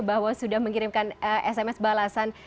bahwa sudah mengirimkan sms balasan